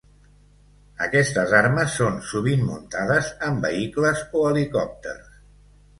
Aquestes armes són sovint muntades en vehicles o helicòpters.